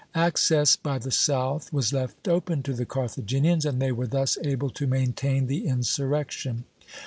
Access by the south was left open to the Carthaginians, and they were thus able to maintain the insurrection.